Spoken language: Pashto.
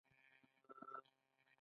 پانکریاس هضم کې مرسته کوي.